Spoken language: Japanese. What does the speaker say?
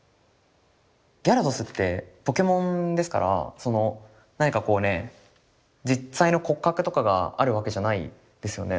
ギャラドスってポケモンですから何かこうね実際の骨格とかがあるわけじゃないですよね。